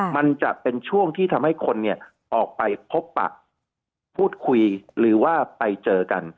มันจะเป็นช่วงที่ทำให้คนเนี่ยออกไปพบปะพูดคุยหรือว่าไปเจอกัน